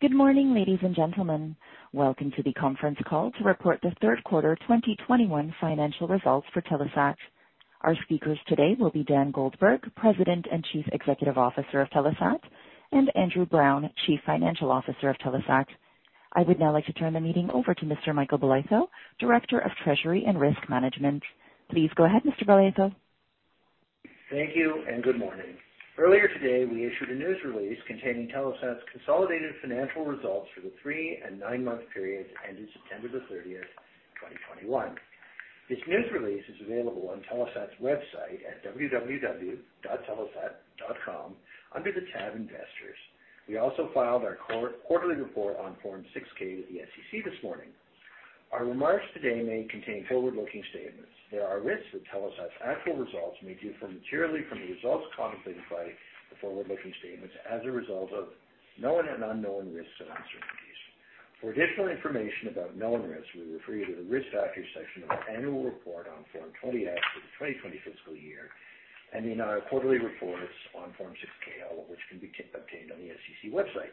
Good morning, ladies and gentlemen. Welcome to the conference call to report the third quarter 2021 financial results for Telesat. Our speakers today will be Dan Goldberg, President and Chief Executive Officer of Telesat, and Andrew Browne, Chief Financial Officer of Telesat. I would now like to turn the meeting over to Mr. Michael Bolitho, Director of Treasury and Risk Management. Please go ahead, Mr. Bolitho. Thank you and good morning. Earlier today, we issued a news release containing Telesat's consolidated financial results for the three- and nine-month period that ended September 30, 2021. This news release is available on Telesat's website at www.telesat.com under the Investors tab. We also filed our quarterly report on Form 6-K with the SEC this morning. Our remarks today may contain forward-looking statements. There are risks that Telesat's actual results may differ materially from the results contemplated by the forward-looking statements as a result of known and unknown risks and uncertainties. For additional information about known risks, we refer you to the Risk Factors section of our annual report on Form 20-F for the 2021 fiscal year and in our quarterly reports on Form 6-K, all of which can be obtained on the SEC website.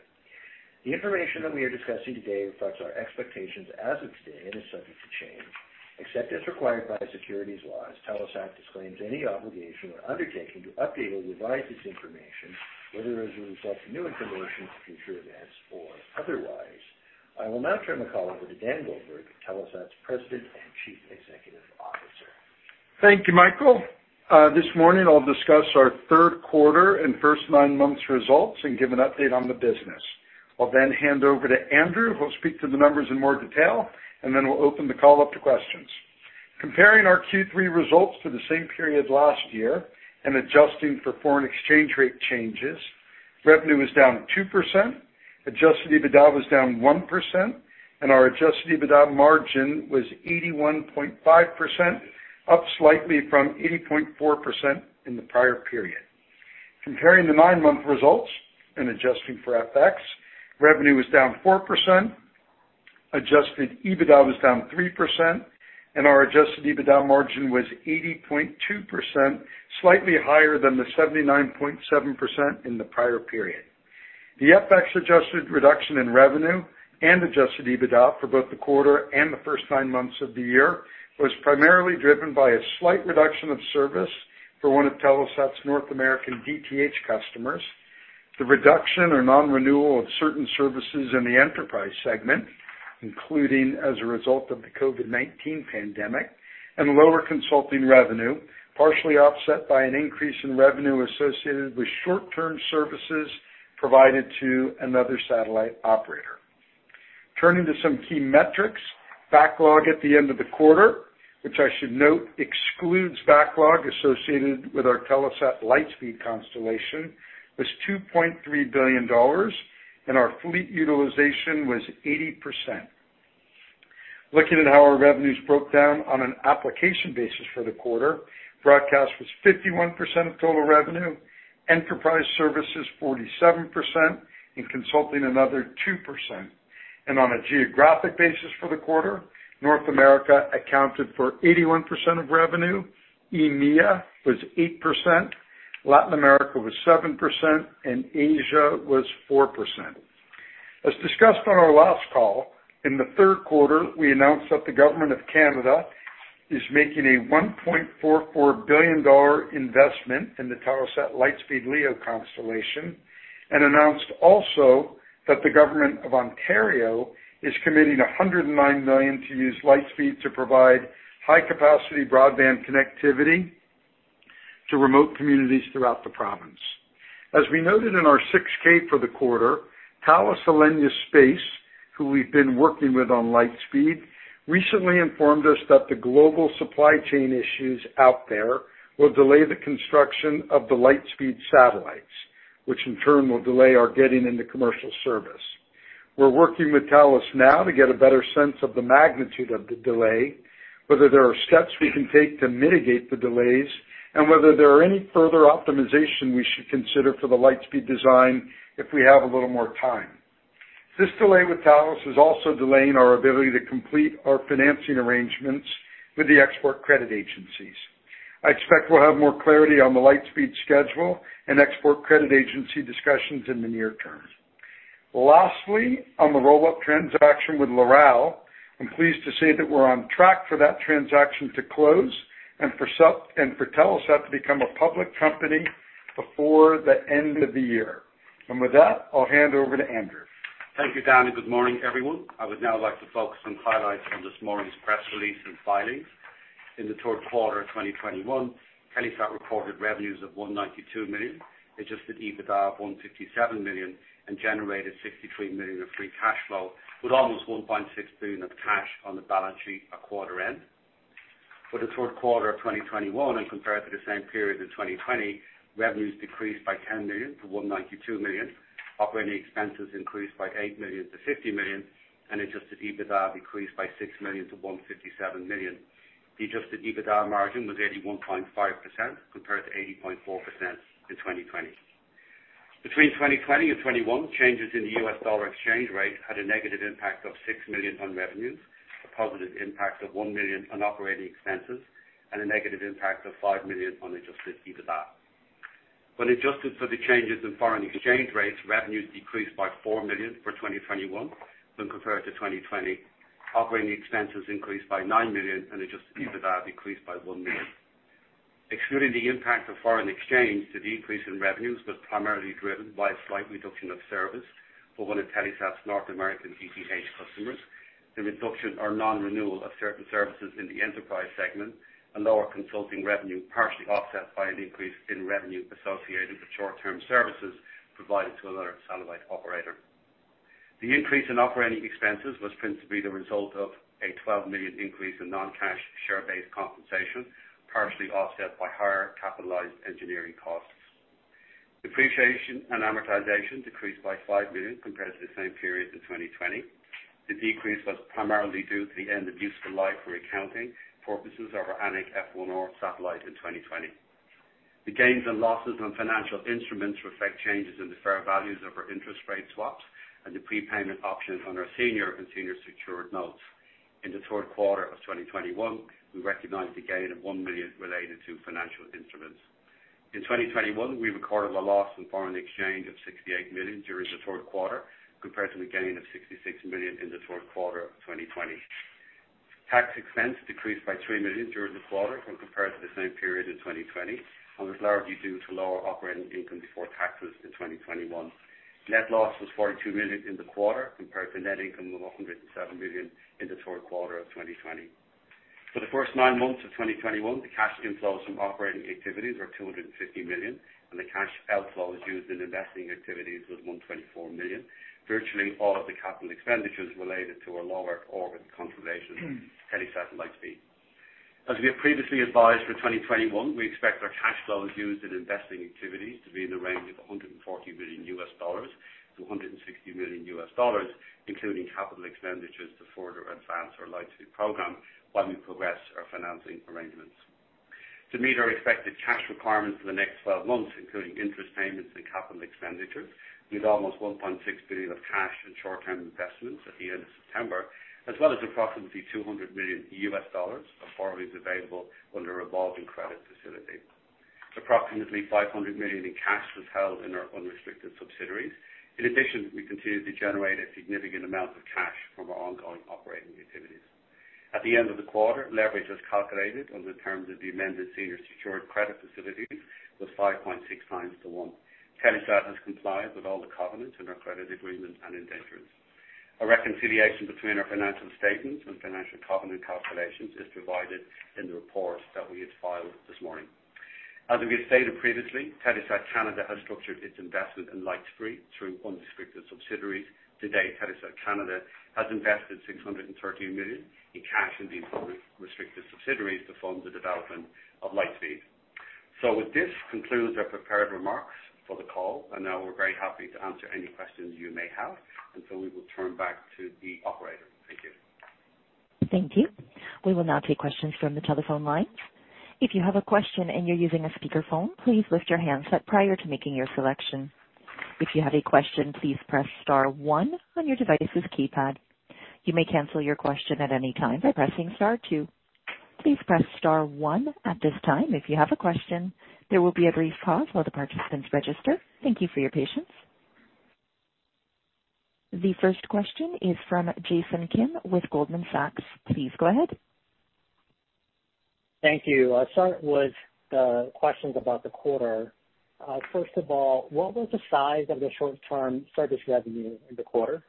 The information that we are discussing today reflects our expectations as of today and is subject to change. Except as required by securities laws, Telesat disclaims any obligation or undertaking to update or revise this information, whether as a result of new information, future events, or otherwise. I will now turn the call over to Dan Goldberg, Telesat's President and Chief Executive Officer. Thank you, Michael. This morning I'll discuss our third quarter and first nine months results and give an update on the business. I'll then hand over to Andrew, who will speak to the numbers in more detail, and then we'll open the call up to questions. Comparing our Q3 results to the same period last year and adjusting for foreign exchange rate changes, revenue was down 2%, adjusted EBITDA was down 1%, and our adjusted EBITDA margin was 81.5%, up slightly from 80.4% in the prior period. Comparing the nine-month results and adjusting for FX, revenue was down 4%, adjusted EBITDA was down 3%, and our adjusted EBITDA margin was 80.2%, slightly higher than the 79.7% in the prior period. The FX adjusted reduction in revenue and adjusted EBITDA for both the quarter and the first nine months of the year was primarily driven by a slight reduction of service for one of Telesat's North American DTH customers, the reduction or non-renewal of certain services in the enterprise segment, including as a result of the COVID-19 pandemic, and lower consulting revenue, partially offset by an increase in revenue associated with short-term services provided to another satellite operator. Turning to some key metrics, backlog at the end of the quarter, which I should note excludes backlog associated with our Telesat Lightspeed constellation, was 2.3 billion dollars, and our fleet utilization was 80%. Looking at how our revenues broke down on an application basis for the quarter, broadcast was 51% of total revenue, enterprise services 47%, and consulting another 2%. On a geographic basis for the quarter, North America accounted for 81% of revenue, EMEA was 8%, Latin America was 7%, and Asia was 4%. As discussed on our last call, in the third quarter, we announced that the government of Canada is making a 1.44 billion dollar investment in the Telesat Lightspeed LEO constellation and announced also that the government of Ontario is committing 109 million to use Lightspeed to provide high-capacity broadband connectivity to remote communities throughout the province. As we noted in our 6-K for the quarter, Thales Alenia Space, who we've been working with on Lightspeed, recently informed us that the global supply chain issues out there will delay the construction of the Lightspeed satellites, which in turn will delay our getting into commercial service. We're working with Thales now to get a better sense of the magnitude of the delay, whether there are steps we can take to mitigate the delays, and whether there are any further optimization we should consider for the Lightspeed design if we have a little more time. This delay with Thales is also delaying our ability to complete our financing arrangements with the export credit agencies. I expect we'll have more clarity on the Lightspeed schedule and export credit agency discussions in the near term. Lastly, on the roll-up transaction with Loral, I'm pleased to say that we're on track for that transaction to close and for Telesat to become a public company before the end of the year. With that, I'll hand over to Andrew. Thank you, Dan, and good morning, everyone. I would now like to focus on highlights from this morning's press release and filings. In the third quarter of 2021, Telesat reported revenues of 192 million, adjusted EBITDA of 157 million, and generated 63 million of free cash flow, with almost 1.6 billion of cash on the balance sheet at quarter end. For the third quarter of 2021 and compared to the same period in 2020, revenues decreased by 10 million to 192 million. Operating expenses increased by 8 million to 50 million, and adjusted EBITDA decreased by 6 million to 157 million. The adjusted EBITDA margin was 81.5% compared to 80.4% in 2020. Between 2020 and 2021, changes in the U.S. dollar exchange rate had a negative impact of 6 million on revenues. A positive impact of 1 million on operating expenses and a negative impact of 5 million on adjusted EBITDA. When adjusted for the changes in foreign exchange rates, revenues decreased by 4 million for 2021 when compared to 2020. Operating expenses increased by 9 million and adjusted EBITDA decreased by 1 million. Excluding the impact of foreign exchange, the decrease in revenues was primarily driven by a slight reduction of service for one of Telesat's North American DTH customers. The reduction or non-renewal of certain services in the enterprise segment and lower consulting revenue partially offset by an increase in revenue associated with short-term services provided to another satellite operator. The increase in operating expenses was principally the result of a 12 million increase in non-cash share-based compensation, partially offset by higher capitalized engineering costs. Depreciation and amortization decreased by 5 million compared to the same period in 2020. The decrease was primarily due to the end of useful life for accounting purposes of our Anik F1R satellite in 2020. The gains and losses on financial instruments reflect changes in the fair values of our interest rate swaps and the prepayment options on our senior and senior secured notes. In the third quarter of 2021, we recognized a gain of 1 million related to financial instruments. In 2021, we recorded a loss in foreign exchange of 68 million during the third quarter compared to the gain of 66 million in the third quarter of 2020. Tax expense decreased by 3 million during the quarter when compared to the same period in 2020 and was largely due to lower operating income before taxes in 2021. Net loss was 42 million in the quarter compared to net income of 107 million in the third quarter of 2020. For the first nine months of 2021, the cash inflows from operating activities were 250 million, and the cash outflows used in investing activities was 124 million. Virtually all of the capital expenditures related to our lower orbit constellation, Telesat Lightspeed. As we have previously advised for 2021, we expect our cash flows used in investing activities to be in the range of $140 million-$160 million, including capital expenditures to further advance our Lightspeed program while we progress our financing arrangements. To meet our expected cash requirements for the next twelve months, including interest payments and capital expenditures, we have almost $1.6 billion of cash and short-term investments at the end of September, as well as approximately $200 million of borrowings available under a revolving credit facility. Approximately $500 million in cash was held in our unrestricted subsidiaries. In addition, we continue to generate a significant amount of cash from our ongoing operating activities. At the end of the quarter, leverage, calculated under the terms of the amended senior secured credit facility, was 5.6x to 1. Telesat has complied with all the covenants in our credit agreement and indentures. A reconciliation between our financial statements and financial covenant calculations is provided in the report that we had filed this morning. As we have stated previously, Telesat Canada has structured its investment in Lightspeed through unrestricted subsidiaries. To date, Telesat Canada has invested 630 million in cash in these unrestricted subsidiaries to fund the development of Lightspeed. With this, concludes our prepared remarks for the call. Now we're very happy to answer any questions you may have. We will turn back to the operator. Thank you. Thank you. We will now take questions from the telephone lines. If you have a question and you're using a speakerphone, please lift your handset prior to making your selection. If you have a question, please press star one on your device's keypad. You may cancel your question at any time by pressing star two. Please press star one at this time if you have a question. There will be a brief pause while the participants register. Thank you for your patience. The first question is from Jason Kim with Goldman Sachs. Please go ahead. Thank you. I'll start with the questions about the quarter. First of all, what was the size of the short-term service revenue in the quarter?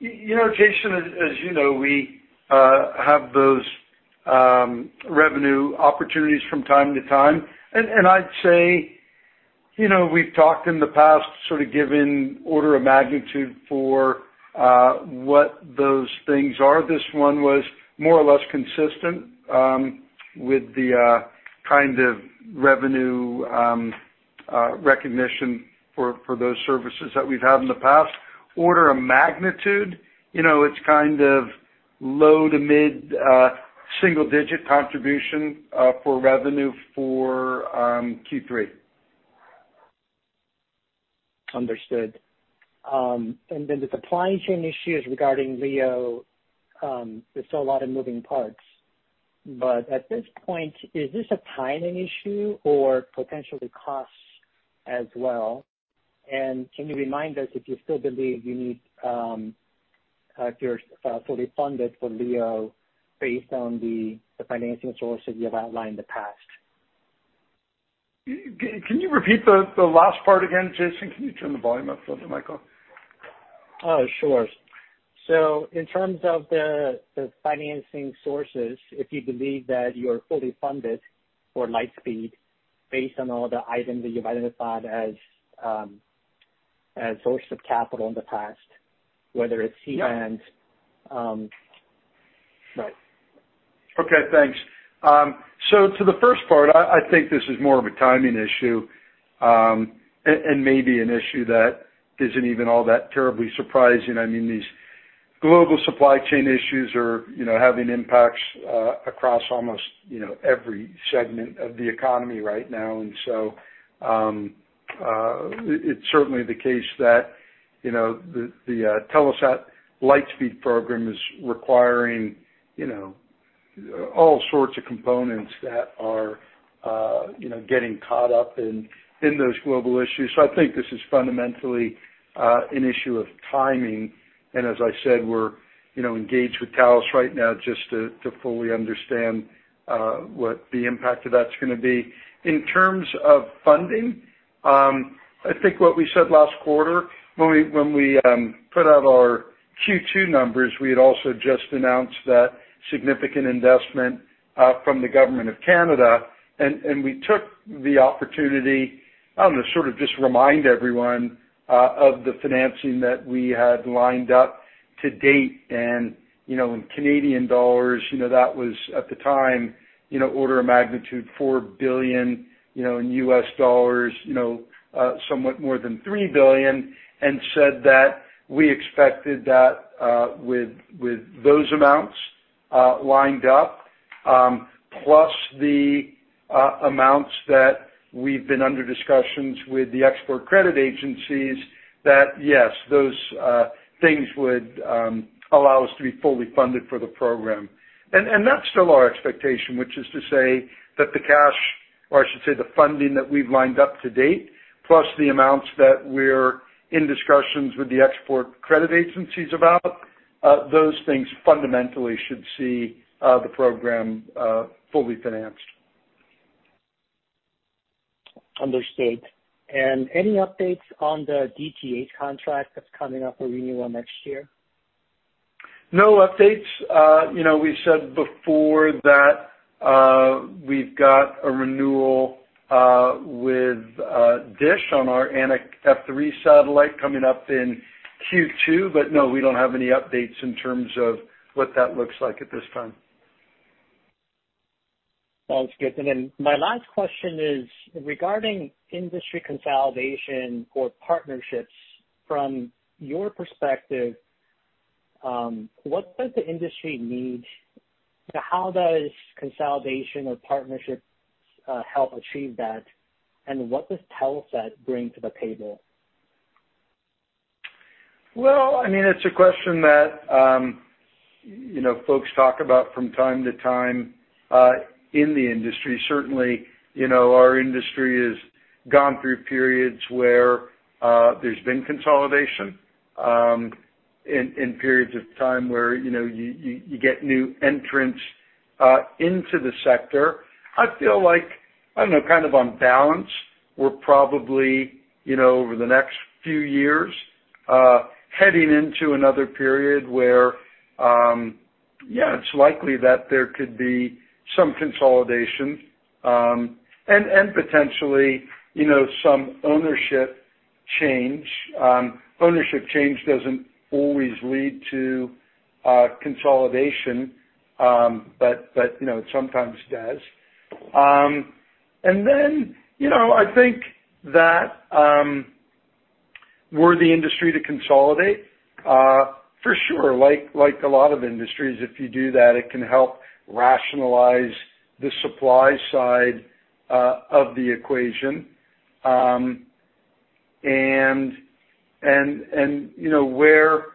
You know, Jason, as you know, we have those revenue opportunities from time to time. I'd say, you know, we've talked in the past sort of giving order of magnitude for what those things are. This one was more or less consistent with the kind of revenue recognition for those services that we've had in the past. Order of magnitude, you know, it's kind of low to mid single digit contribution for revenue for Q3. Understood. The supply chain issues regarding LEO, there's still a lot of moving parts. At this point, is this a timing issue or potentially costs as well? Can you remind us if you still believe you're fully funded for LEO based on the financing sources you have outlined in the past? Can you repeat the last part again, Jason? Can you turn the volume up a little, Michael? Oh, sure. In terms of the financing sources, if you believe that you're fully funded for Lightspeed based on all the items that you've identified as source of capital in the past, whether it's CN- Yeah. Right. Okay, thanks. To the first part, I think this is more of a timing issue, and maybe an issue that isn't even all that terribly surprising. I mean, these global supply chain issues are, you know, having impacts across almost, you know, every segment of the economy right now. It's certainly the case that, you know, the Telesat Lightspeed program is requiring, you know, all sorts of components that are, you know, getting caught up in those global issues. I think this is fundamentally an issue of timing. As I said, we're, you know, engaged with Thales right now just to fully understand what the impact of that's gonna be. In terms of funding, I think what we said last quarter when we put out our Q2 numbers, we had also just announced that significant investment from the government of Canada. We took the opportunity to sort of just remind everyone of the financing that we had lined up to date. You know, in Canadian dollars, you know, that was, at the time, you know, order of magnitude 4 billion, you know, in U.S. dollars, you know, somewhat more than $3 billion, and said that we expected that, with those amounts lined up, plus the amounts that we've been in discussions with the export credit agencies, that, yes, those things would allow us to be fully funded for the program. That's still our expectation, which is to say that the cash, or I should say, the funding that we've lined up to date, plus the amounts that we're in discussions with the export credit agencies about, those things fundamentally should see the program fully financed. Understood. Any updates on the DTH contract that's coming up for renewal next year? No updates. You know, we said before that we've got a renewal with DISH on our Anik F3 satellite coming up in Q2. No, we don't have any updates in terms of what that looks like at this time. Sounds good. My last question is regarding industry consolidation or partnerships. From your perspective, what does the industry need? How does consolidation or partnerships help achieve that? What does Telesat bring to the table? Well, I mean, it's a question that, you know, folks talk about from time to time, in the industry. Certainly, you know, our industry has gone through periods where, there's been consolidation, in periods of time where, you know, you get new entrants, into the sector. I feel like, I don't know, kind of on balance, we're probably, you know, over the next few years, heading into another period where, yeah, it's likely that there could be some consolidation, and potentially, you know, some ownership change. Ownership change doesn't always lead to consolidation, but you know, it sometimes does. You know, I think that were the industry to consolidate, for sure, like a lot of industries, if you do that, it can help rationalize the supply side of the equation. You know, where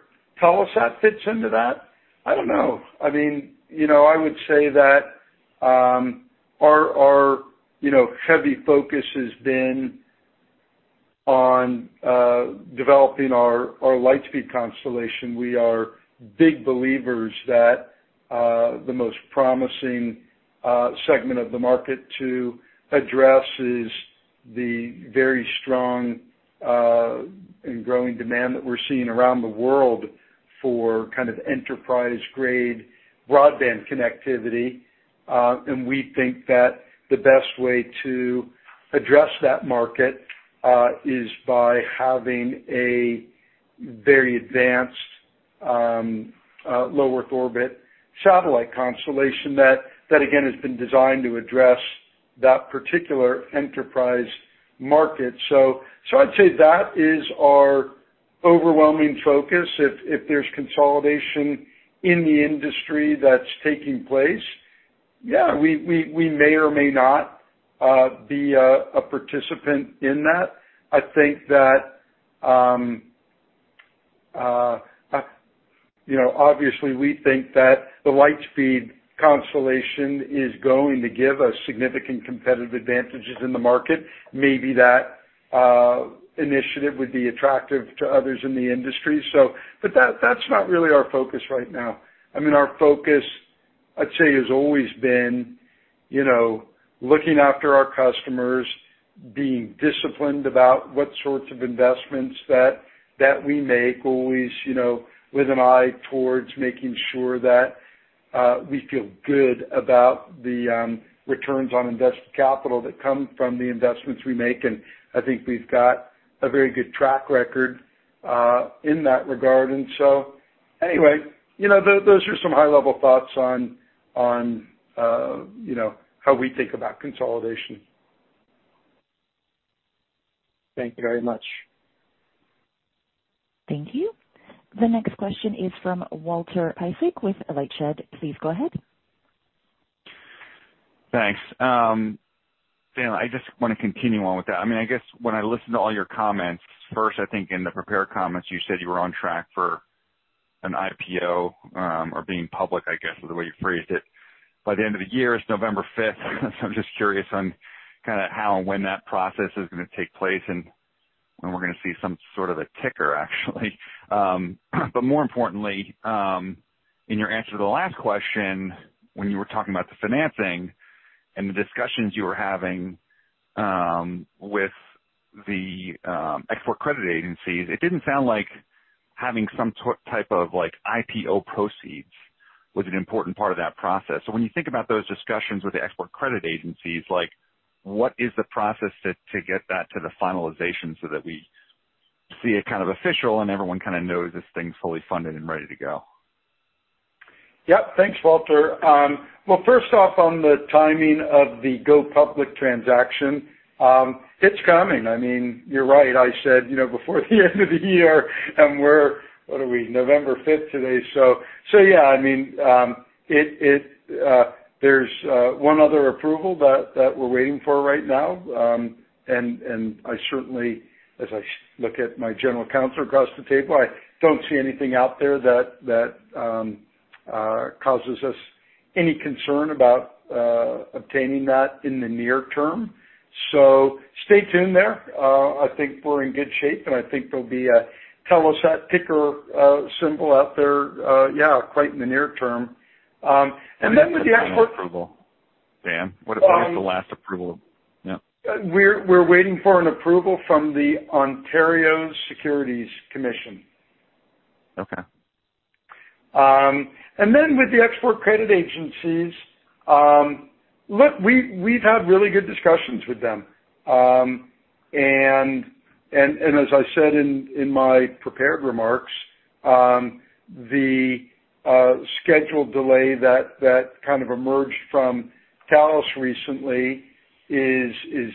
Telesat fits into that, I don't know. I mean, you know, I would say that our you know heavy focus has been on developing our Lightspeed constellation. We are big believers that the most promising segment of the market to address is the very strong and growing demand that we're seeing around the world for kind of enterprise-grade broadband connectivity. We think that the best way to address that market is by having a very advanced low Earth orbit satellite constellation that again has been designed to address that particular enterprise market. I'd say that is our overwhelming focus. If there's consolidation in the industry that's taking place, yeah, we may or may not be a participant in that. I think that, you know, obviously we think that the Lightspeed constellation is going to give us significant competitive advantages in the market. Maybe that initiative would be attractive to others in the industry. That, that's not really our focus right now. I mean, our focus, I'd say, has always been, you know, looking after our customers, being disciplined about what sorts of investments that we make. Always, you know, with an eye towards making sure that we feel good about the returns on invested capital that come from the investments we make, and I think we've got a very good track record in that regard. Anyway, you know, those are some high-level thoughts on, you know, how we think about consolidation. Thank you very much. Thank you. The next question is from Walter Piecyk with LightShed. Please go ahead. Thanks. Dan, I just wanna continue on with that. I mean, I guess when I listen to all your comments, first, I think in the prepared comments, you said you were on track for an IPO, or being public, I guess, is the way you phrased it, by the end of the year. It's November 5th. I'm just curious on kinda how and when that process is gonna take place and when we're gonna see some sort of a ticker, actually. But more importantly, in your answer to the last question, when you were talking about the financing and the discussions you were having, with the export credit agencies, it didn't sound like having some type of like IPO proceeds was an important part of that process. When you think about those discussions with the export credit agencies, like what is the process to get that to the finalization so that we see it kind of official and everyone kinda knows this thing's fully funded and ready to go? Yep. Thanks, Walter. Well, first off, on the timing of the go public transaction, it's coming. I mean, you're right. I said, you know, before the end of the year, and we're what are we? November 5th today. So yeah, I mean, it there's one other approval that we're waiting for right now. And I certainly, as I look at my general counsel across the table, I don't see anything out there that causes us any concern about obtaining that in the near term. So stay tuned there. I think we're in good shape, and I think there'll be a Telesat ticker symbol out there, yeah, quite in the near term. And then with the export- Approval, Dan. Um- What about the last approval? Yeah. We're waiting for an approval from the Ontario Securities Commission. Okay. Then with the Export Credit Agencies, look, we've had really good discussions with them. As I said in my prepared remarks, the scheduled delay that kind of emerged from Thales recently is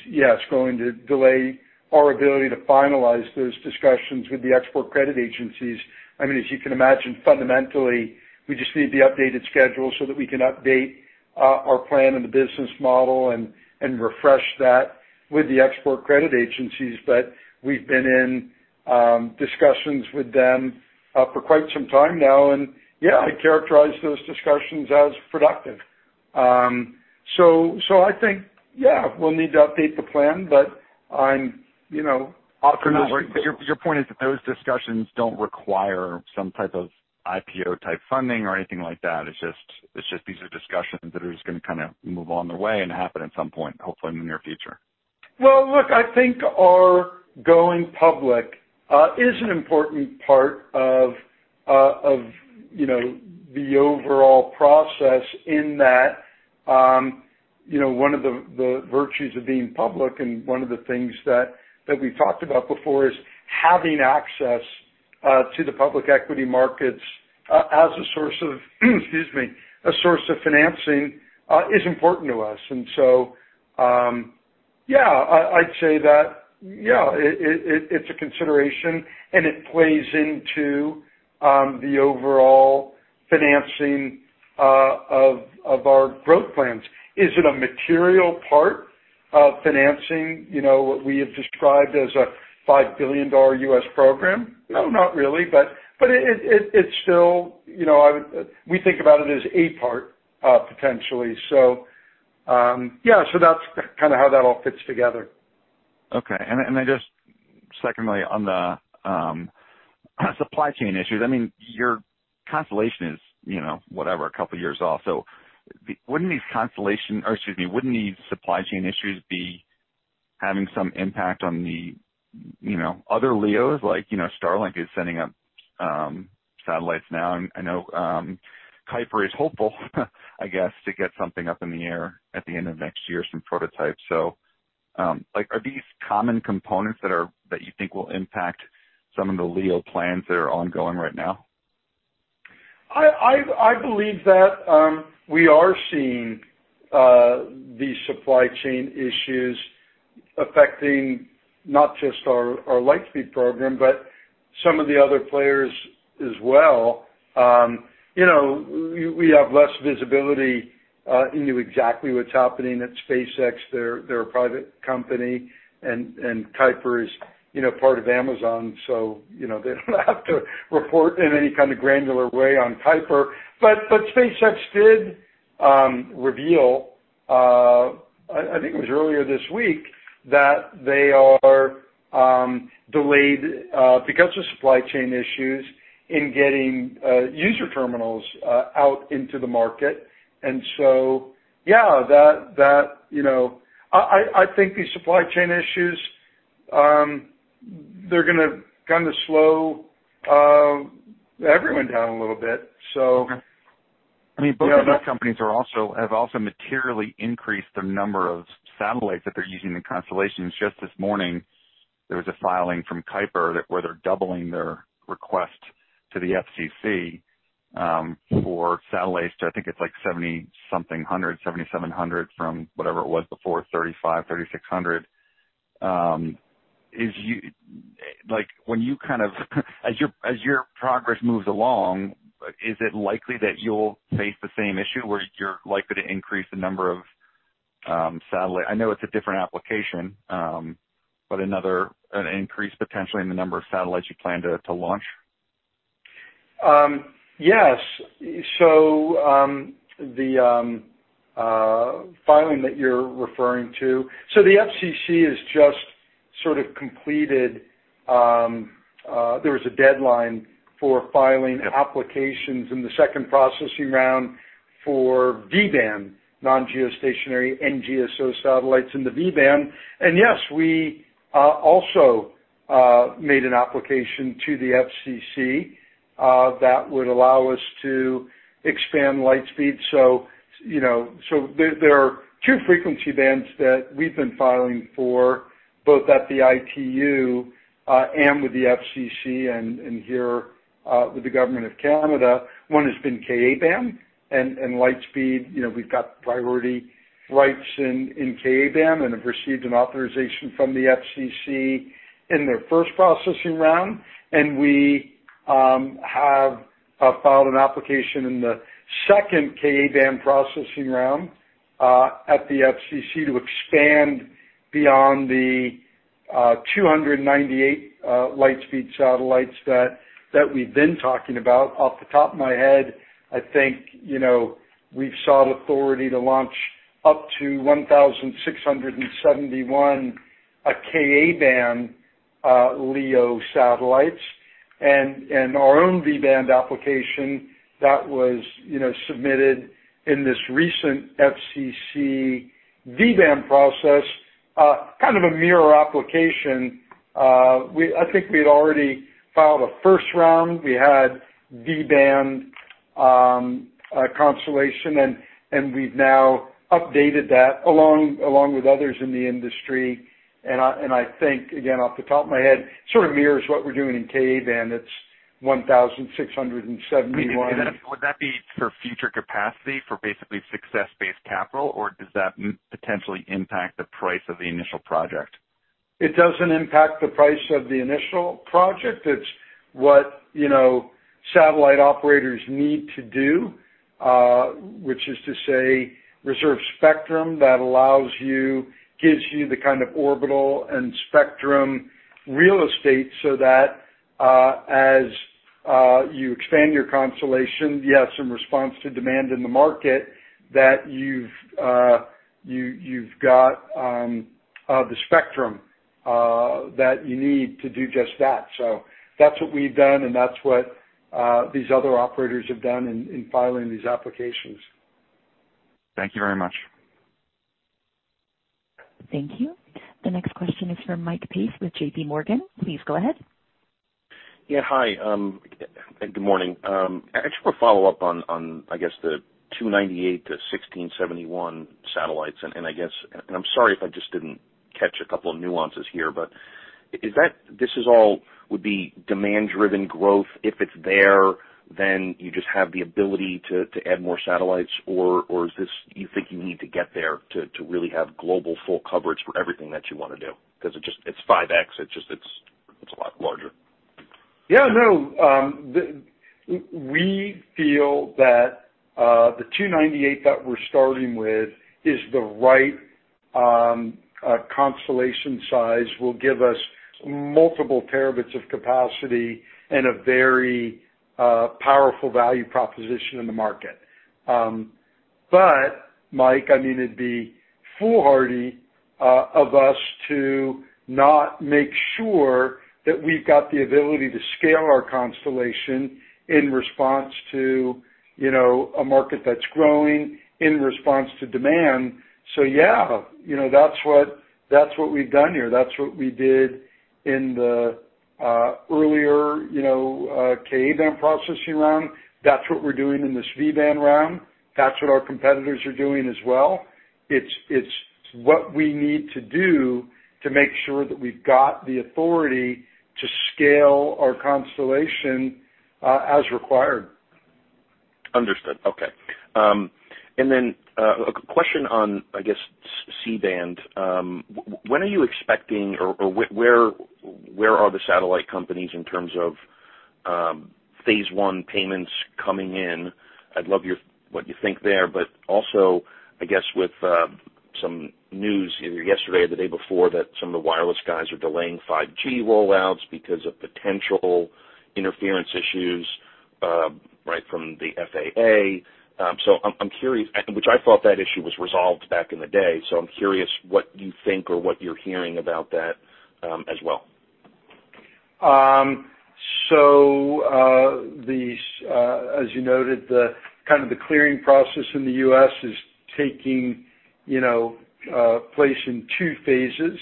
yeah, it's going to delay our ability to finalize those discussions with the Export Credit Agencies. I mean, as you can imagine, fundamentally, we just need the updated schedule so that we can update our plan and the business model and refresh that with the Export Credit Agencies. We've been in discussions with them for quite some time now. Yeah, I characterize those discussions as productive. I think, yeah, we'll need to update the plan, but I'm, you know, optimistic. Your point is that those discussions don't require some type of IPO-type funding or anything like that. It's just these are discussions that are just gonna kinda move on their way and happen at some point, hopefully in the near future. Well, look, I think our going public is an important part of, you know, the overall process in that, you know, one of the virtues of being public and one of the things that we've talked about before is having access to the public equity markets as a source of, excuse me, a source of financing is important to us. Yeah, I'd say that, yeah, it's a consideration, and it plays into the overall financing of our growth plans. Is it a material part of financing, you know, what we have described as a $5 billion U.S. program? No, not really. It's still, you know, we think about it as a part, potentially. Yeah, so that's kinda how that all fits together. Okay. I just secondly, on the supply chain issues, I mean, your constellation is, you know, whatever, a couple year off, so wouldn't these supply chain issues be having some impact on the, you know, other LEOs? Like, you know, Starlink is sending up satellites now, and I know Kuiper is hopeful, I guess, to get something up in the air at the end of next year, some prototypes. So, like, are these common components that you think will impact some of the LEO plans that are ongoing right now? I believe that we are seeing these supply chain issues affecting not just our Lightspeed program, but some of the other players as well. You know, we have less visibility into exactly what's happening at SpaceX. They're a private company and Kuiper is, you know, part of Amazon, so you know, they don't have to report in any kind of granular way on Kuiper. But SpaceX did reveal, I think it was earlier this week, that they are delayed because of supply chain issues in getting user terminals out into the market. Yeah, that you know I think these supply chain issues they're gonna kinda slow everyone down a little bit. So I mean, both of those companies have also materially increased the number of satellites that they're using in constellations. Just this morning, there was a filing from Kuiper where they're doubling their request to the FCC for satellites to, I think it's like 7,000-something, 7,700 from whatever it was before, 3,500-3,600. Like, when you kind of as your progress moves along, is it likely that you'll face the same issue where you're likely to increase the number of satellites? I know it's a different application, but an increase potentially in the number of satellites you plan to launch. Yes. The filing that you're referring to. The FCC has just sort of completed. There was a deadline for filing applications in the second processing round for V-band non-geostationary NGSO satellites in the V-band. Yes, we also made an application to the FCC that would allow us to expand Lightspeed. You know, there are two frequency bands that we've been filing for, both at the ITU and with the FCC and here with the government of Canada. One has been Ka-band, and Lightspeed, you know, we've got priority rights in Ka-band and have received an authorization from the FCC in their first processing round. We have filed an application in the second Ka-band processing round at the FCC to expand beyond the 298 Lightspeed satellites that we've been talking about. Off the top of my head, I think, you know, we've sought authority to launch up to 1,671 Ka-band LEO satellites. Our own V-band application that was, you know, submitted in this recent FCC V-band process kind of a mirror application. I think we had already filed a first round. We had V-band constellation, and we've now updated that along with others in the industry. I think, again, off the top of my head, sort of mirrors what we're doing in Ka-band. It's 1,671. Would that be for future capacity for basically success-based capital, or does that potentially impact the price of the initial project? It doesn't impact the price of the initial project. It's what, you know, satellite operators need to do, which is to say reserve spectrum that allows you, gives you the kind of orbital and spectrum real estate so that, as you expand your constellation, yes, in response to demand in the market, that you've got the spectrum that you need to do just that. That's what we've done, and that's what these other operators have done in filing these applications. Thank you very much. Thank you. The next question is from Mike Peace with JPMorgan. Please go ahead. Yeah, hi. Good morning. Actually a follow-up on, I guess the 298-1,671 satellites, and I guess. I'm sorry if I just didn't catch a couple of nuances here, but is that this is all would be demand-driven growth? If it's there, then you just have the ability to add more satellites or is this you think you need to get there to really have global full coverage for everything that you wanna do? Because it just, it's 5x. It's just, it's a lot larger. Yeah, no. We feel that the 298 that we're starting with is the right constellation size, will give us multiple terabits of capacity and a very powerful value proposition in the market. Mike, I mean, it'd be foolhardy of us to not make sure that we've got the ability to scale our constellation in response to, you know, a market that's growing, in response to demand. Yeah, you know, that's what we've done here. That's what we did in the earlier, you know, Ka-band processing round. That's what we're doing in this V-band round. That's what our competitors are doing as well. It's what we need to do to make sure that we've got the authority to scale our constellation as required. Understood. Okay. a question on, I guess, C-band. When are you expecting or where are the satellite companies in terms of phase one payments coming in? I'd love your what you think there, but also I guess with some news either yesterday or the day before that some of the wireless guys are delaying 5G rollouts because of potential interference issues, right, from the FAA. I'm curious, which I thought that issue was resolved back in the day, so I'm curious what you think or what you're hearing about that, as well. These, as you noted, the kind of the clearing process in the U.S. is taking, you know, place in two phases.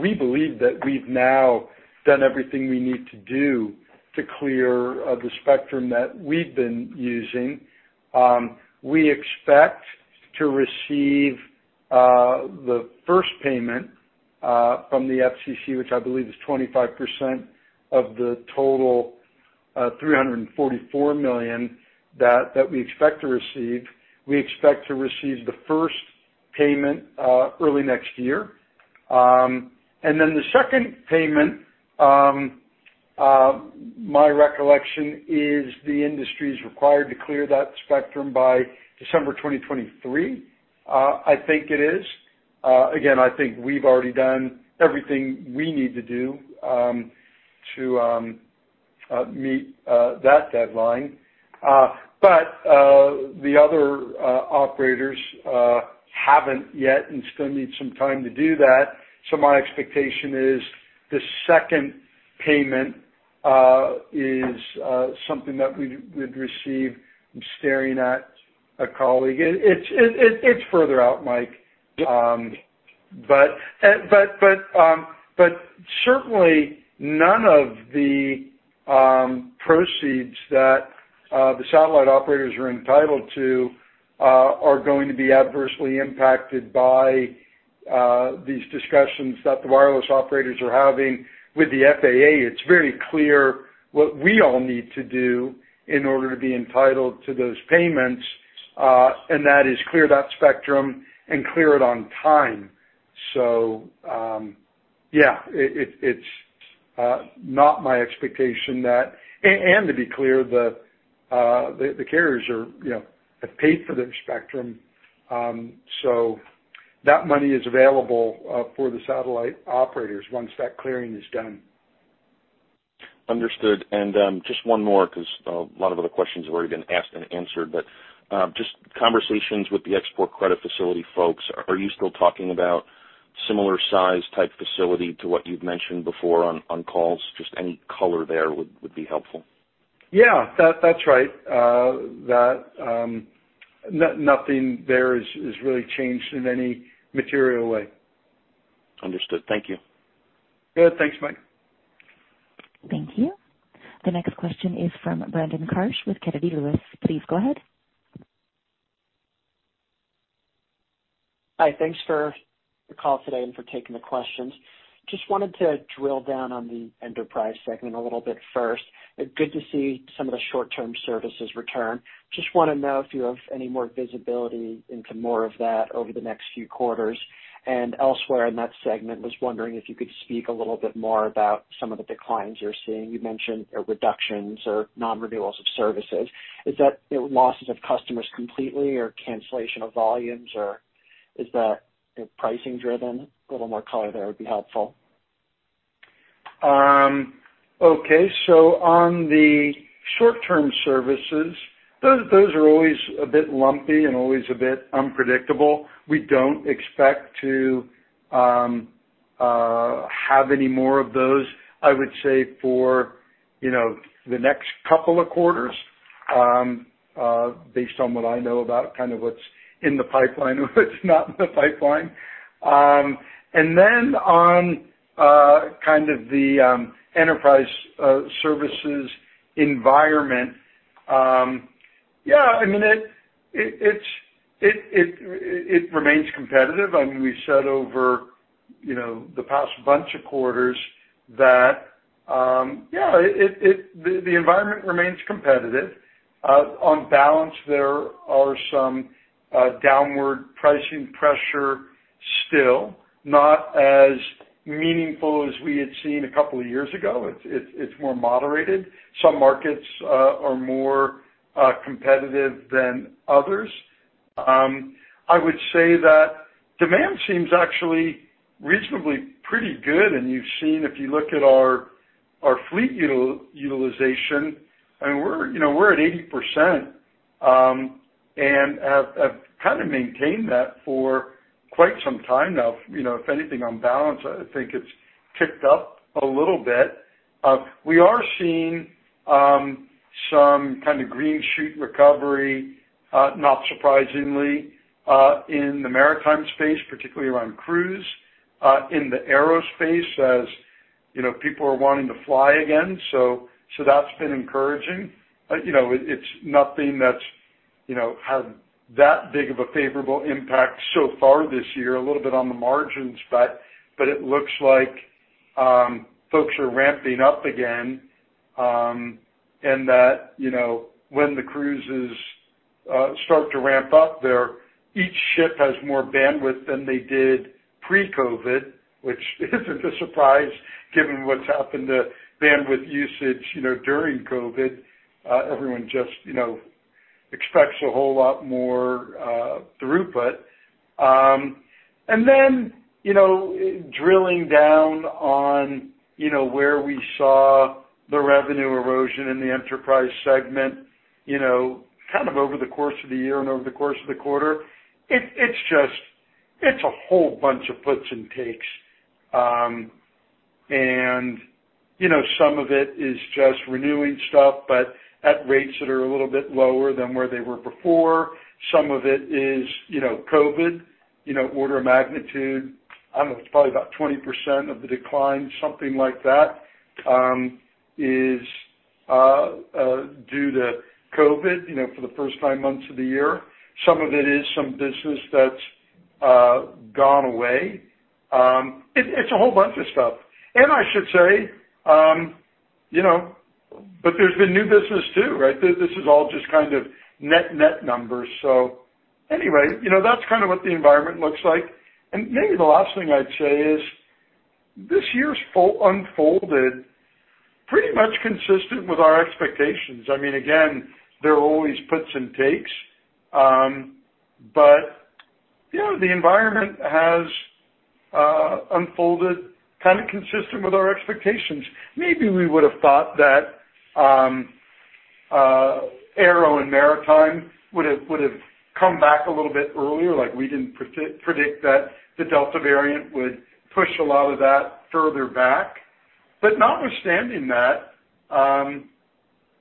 We believe that we've now done everything we need to do to clear the spectrum that we've been using. We expect to receive the first payment from the FCC, which I believe is 25% of the total $344 million that we expect to receive. We expect to receive the first payment early next year. The second payment, my recollection is the industry is required to clear that spectrum by December 2023. I think it is. Again, I think we've already done everything we need to do to meet that deadline. The other operators haven't yet and still need some time to do that. My expectation is the second payment is something that we would receive. I'm staring at a colleague. It's further out, Mike. Certainly none of the proceeds that the satellite operators are entitled to are going to be adversely impacted by these discussions that the wireless operators are having with the FCC. It's very clear what we all need to do in order to be entitled to those payments, and that is to clear the spectrum on time. It's not my expectation that To be clear, the carriers, you know, have paid for their spectrum, so that money is available for the satellite operators once that clearing is done. Understood. Just one more, because a lot of other questions have already been asked and answered, but just conversations with the export credit facility folks, are you still talking about similar size type facility to what you've mentioned before on calls? Just any color there would be helpful. Yeah, that's right. Nothing there is really changed in any material way. Understood. Thank you. Good. Thanks, Mike. Thank you. The next question is from Brandon Karsch with Kennedy Lewis. Please go ahead. Hi. Thanks for the call today and for taking the questions. Just wanted to drill down on the enterprise segment a little bit first. Good to see some of the short-term services return. Just wanna know if you have any more visibility into more of that over the next few quarters. Elsewhere in that segment, was wondering if you could speak a little bit more about some of the declines you're seeing. You mentioned reductions or non-renewals of services. Is that losses of customers completely or cancellation of volumes, or is that pricing driven? A little more color there would be helpful. Okay. On the short-term services, those are always a bit lumpy and always a bit unpredictable. We don't expect to have any more of those, I would say, for you know the next couple of quarters, based on what I know about kind of what's in the pipeline or what's not in the pipeline. On kind of the enterprise services environment, yeah, I mean, it remains competitive. I mean, we've said over you know the past bunch of quarters that yeah the environment remains competitive. On balance, there are some downward pricing pressure still, not as meaningful as we had seen a couple of years ago. It's more moderated. Some markets are more competitive than others. I would say that demand seems actually reasonably pretty good. You've seen if you look at our fleet utilization, and we're at 80%, and have kinda maintained that for quite some time now. You know, if anything, on balance, I think it's ticked up a little bit. We are seeing some kinda green shoot recovery, not surprisingly, in the maritime space, particularly around cruise, in the aerospace as you know, people are wanting to fly again. That's been encouraging. You know, it's nothing that's, you know, had that big of a favorable impact so far this year, a little bit on the margins, but it looks like folks are ramping up again, and that, you know, when the cruises start to ramp up, each ship has more bandwidth than they did pre-COVID, which isn't a surprise given what's happened to bandwidth usage, you know, during COVID. Everyone just, you know, expects a whole lot more throughput. Then, you know, drilling down on, you know, where we saw the revenue erosion in the enterprise segment, you know, kind of over the course of the year and over the course of the quarter. It's just a whole bunch of puts and takes. You know, some of it is just renewing stuff, but at rates that are a little bit lower than where they were before. Some of it is, you know, COVID, you know, order of magnitude. I don't know, it's probably about 20% of the decline, something like that, is due to COVID, you know, for the first nine months of the year. Some of it is some business that's gone away. It's a whole bunch of stuff. I should say, you know, but there's been new business too, right? This is all just kind of net numbers. Anyway, you know, that's kind of what the environment looks like. Maybe the last thing I'd say is this year unfolded pretty much consistent with our expectations. I mean, again, there are always puts and takes. Yeah, the environment has unfolded kind of consistent with our expectations. Maybe we would have thought that aero and maritime would have come back a little bit earlier. Like, we didn't predict that the Delta variant would push a lot of that further back. Notwithstanding that,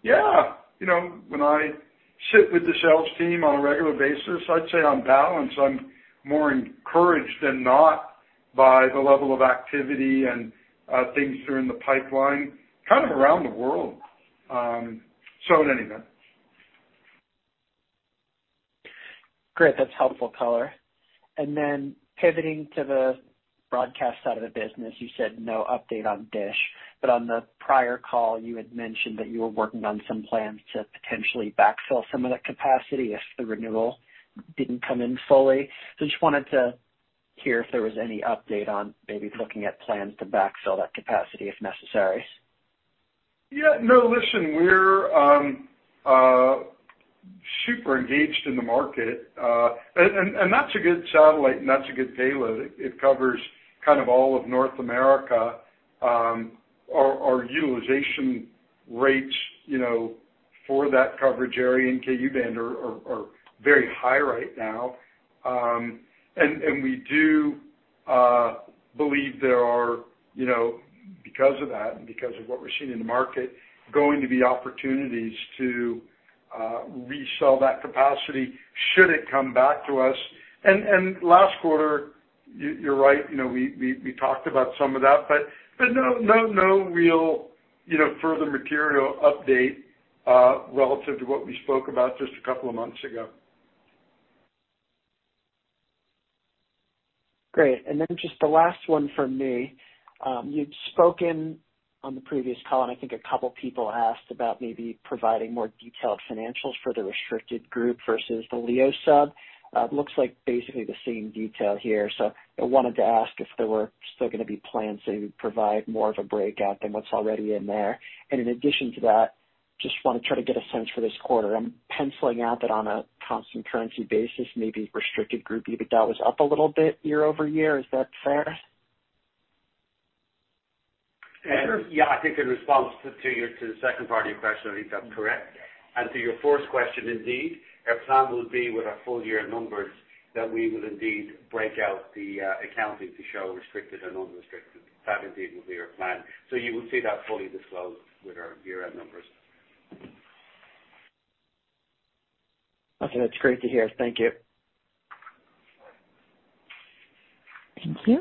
yeah, you know, when I sit with the sales team on a regular basis, I'd say on balance, I'm more encouraged than not by the level of activity and things that are in the pipeline, kind of around the world. At any event. Great. That's helpful color. Then pivoting to the broadcast side of the business, you said no update on DISH, but on the prior call, you had mentioned that you were working on some plans to potentially backfill some of that capacity if the renewal didn't come in fully. Just wanted to hear if there was any update on maybe looking at plans to backfill that capacity if necessary. Yeah, no, listen, we're super engaged in the market, and that's a good satellite, and that's a good payload. It covers kind of all of North America. Our utilization rates, you know, for that coverage area in Ku-band are very high right now. We do believe there are, you know, because of that and because of what we're seeing in the market, going to be opportunities to resell that capacity should it come back to us. Last quarter, you're right, you know, we talked about some of that. No real, you know, further material update relative to what we spoke about just a couple of months ago. Great. Just the last one from me. You'd spoken on the previous call, and I think a couple people asked about maybe providing more detailed financials for the restricted group versus the LEO sub. It looks like basically the same detail here. I wanted to ask if there were still gonna be plans to provide more of a breakout than what's already in there. In addition to that, just wanna try to get a sense for this quarter. I'm penciling out that on a constant currency basis, maybe restricted group EBITDA was up a little bit year-over-year. Is that fair? Yeah. I think in response to the second part of your question, I think that's correct. To your first question, indeed, our plan will be with our full year numbers, that we will indeed break out the accounting to show restricted and unrestricted. That indeed will be our plan. You will see that fully disclosed with our year-end numbers. Okay. That's great to hear. Thank you. Thank you.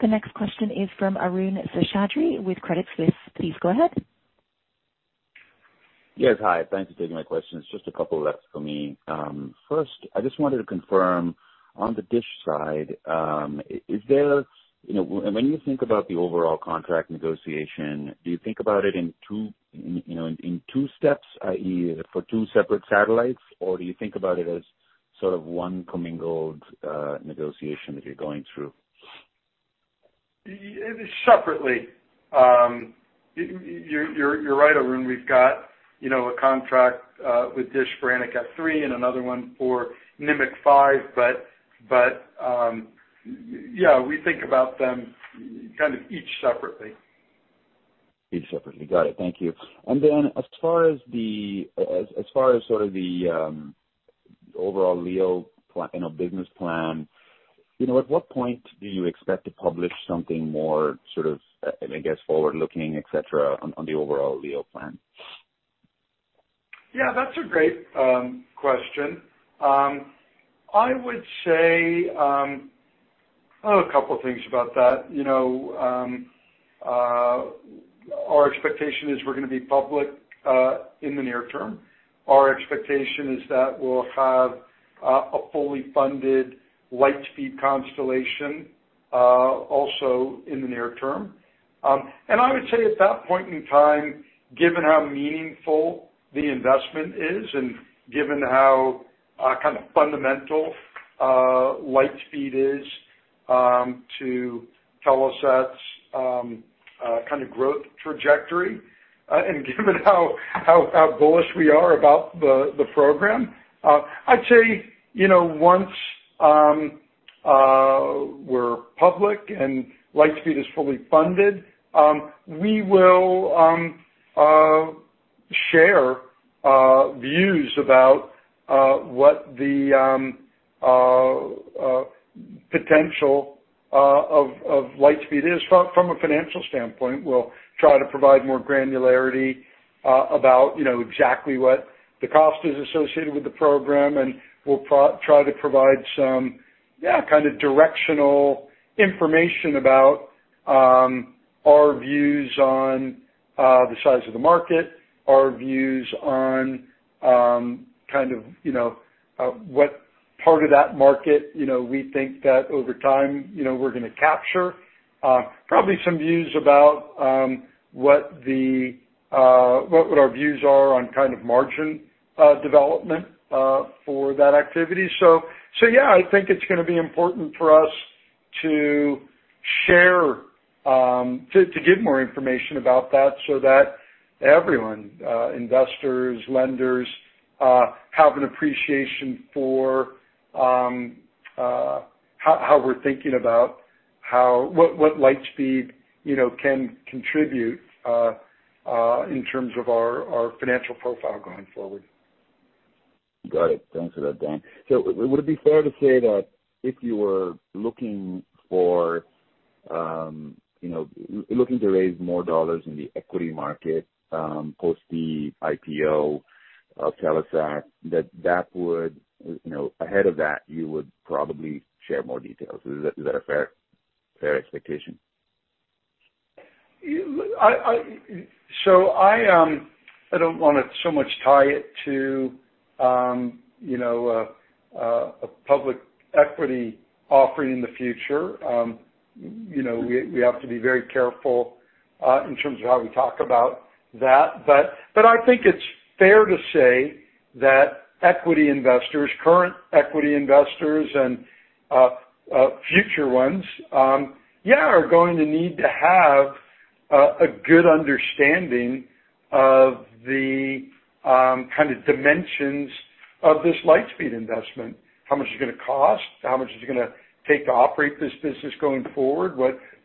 The next question is from Arun Seshadri with Credit Suisse. Please go ahead. Yes. Hi. Thanks for taking my questions. Just a couple left for me. First, I just wanted to confirm on the DISH side, is there, you know, when you think about the overall contract negotiation, do you think about it in two, you know, in two steps, i.e., for two separate satellites, or do you think about it as sort of one commingled, negotiation that you're going through? It is separately. You're right, Arun. We've got, you know, a contract with DISH for Anik F3 and another one for Nimiq 5. Yeah, we think about them kind of each separately. Each separately. Got it. Thank you. As far as sort of the overall LEO business plan, you know, at what point do you expect to publish something more sort of, I guess, forward-looking, et cetera, on the overall LEO plan? Yeah, that's a great question. I would say a couple things about that. You know, our expectation is we're gonna be public in the near term. Our expectation is that we'll have a fully funded Lightspeed constellation also in the near term. I would say at that point in time, given how meaningful the investment is and given how kind of fundamental Lightspeed is to Telesat's kind of growth trajectory, and given how bullish we are about the program, I'd say, you know, once we're public and Lightspeed is fully funded, we will share views about what the potential of Lightspeed is from a financial standpoint. We'll try to provide more granularity about, you know, exactly what the cost is associated with the program, and we'll try to provide some kind of directional information about our views on the size of the market, our views on kind of, you know, what part of that market, you know, we think that over time, you know, we're gonna capture. Probably some views about what our views are on kind of margin development for that activity. I think it's gonna be important for us to share to give more information about that so that everyone, investors, lenders, have an appreciation for how we're thinking about what Lightspeed, you know, can contribute in terms of our financial profile going forward. Got it. Thanks for that, Dan. Would it be fair to say that if you were looking for, you know, looking to raise more dollars in the equity market, post the IPO of Telesat, that would, you know, ahead of that, you would probably share more details. Is that a fair expectation? I don't wanna so much tie it to, you know, a public equity offering in the future. You know, we have to be very careful in terms of how we talk about that. I think it's fair to say that equity investors, current equity investors and future ones, yeah, are going to need to have a good understanding of the kind of dimensions of this Lightspeed investment. How much it's gonna cost, how much is it gonna take to operate this business going forward?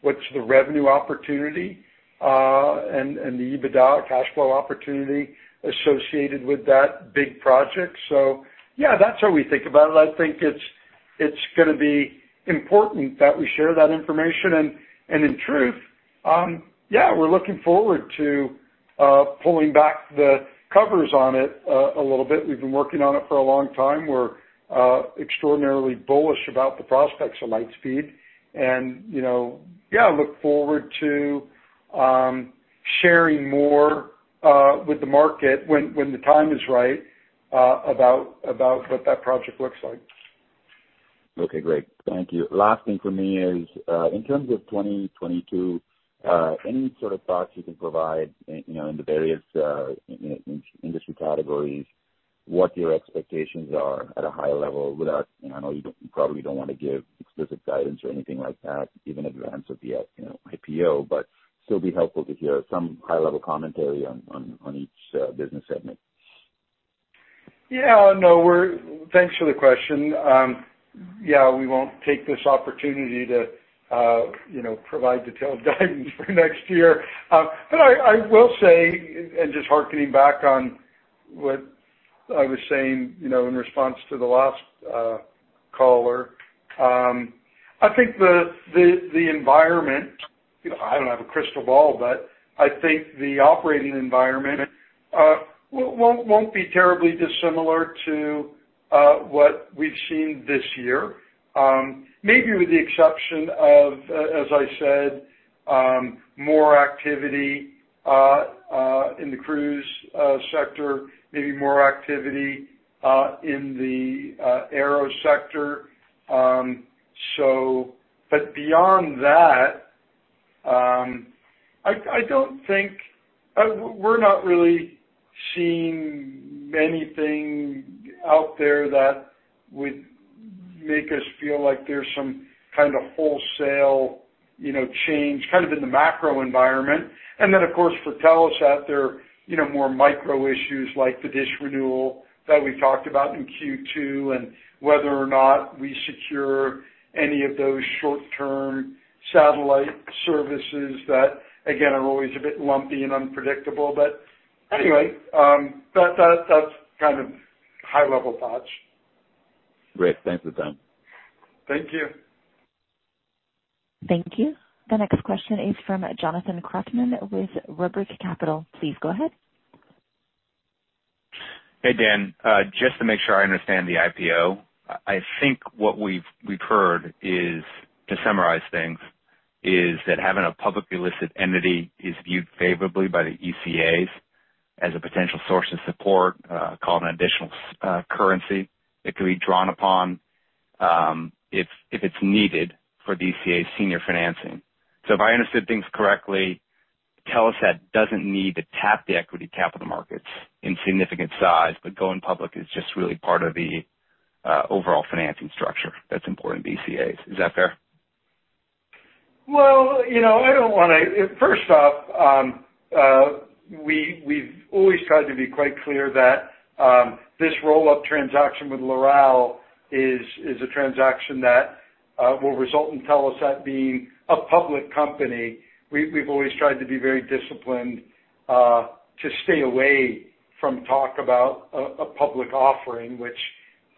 What's the revenue opportunity and the EBITDA cash flow opportunity associated with that big project. Yeah, that's how we think about it. I think it's gonna be important that we share that information. In truth, yeah, we're looking forward to pulling back the covers on it a little bit. We've been working on it for a long time. We're extraordinarily bullish about the prospects of Lightspeed. You know, yeah, look forward to sharing more with the market when the time is right about what that project looks like. Okay, great. Thank you. Last thing from me is, in terms of 2022, any sort of thoughts you can provide, you know, in the various, you know, in industry categories, what your expectations are at a high level without, you know, I know you don't, you probably don't wanna give explicit guidance or anything like that, even in advance of the you know, IPO, but still be helpful to hear some high level commentary on each business segment. Thanks for the question. Yeah, we won't take this opportunity to, you know, provide detailed guidance for next year. But I will say, and just harkening back on what I was saying, you know, in response to the last caller, I think the environment, you know, I don't have a crystal ball, but I think the operating environment won't be terribly dissimilar to what we've seen this year. Maybe with the exception of, as I said, more activity in the cruise sector, maybe more activity in the aero sector. But beyond that, I don't think we're not really seeing anything out there that would make us feel like there's some kind of wholesale, you know, change kind of in the macro environment. Of course, for Telesat, there are, you know, more micro issues like the DISH renewal that we talked about in Q2, and whether or not we secure any of those short-term satellite services that, again, are always a bit lumpy and unpredictable. Anyway, that's kind of high level thoughts. Great. Thanks for that. Thank you. Thank you. The next question is from Jonathan Krautmann with Rubric Capital. Please go ahead. Hey, Dan. Just to make sure I understand the IPO, I think what we've heard is to summarize things, is that having a publicly listed entity is viewed favorably by the ECAs as a potential source of support, called an additional currency that could be drawn upon, if it's needed for the ECA's senior financing. If I understood things correctly, Telesat doesn't need to tap the equity capital markets in significant size, but going public is just really part of the overall financing structure that's important to ECAs. Is that fair? You know, I don't wanna. First off, we've always tried to be quite clear that this roll-up transaction with Loral is a transaction that will result in Telesat being a public company. We've always tried to be very disciplined to stay away from talk about a public offering, which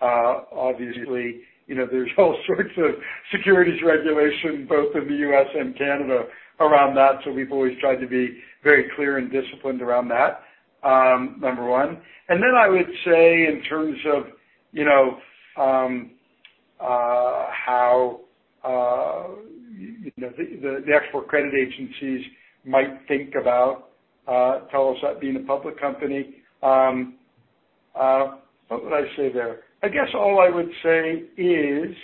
obviously, you know, there's all sorts of securities regulation both in the U.S. and Canada around that. We've always tried to be very clear and disciplined around that. Number one. Then I would say in terms of, you know, how you know the export credit agencies might think about Telesat being a public company, what would I say there? I guess all I would say is,